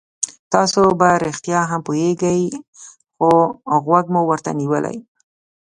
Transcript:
تاسو په رښتیا هم پوهېږئ خو غوږ مو ورته نیولی.